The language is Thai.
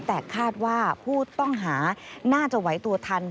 แต่คาดว่าผู้ต้องหาน่าจะไหวตัวทัน